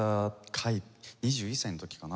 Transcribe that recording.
２１歳の時かな？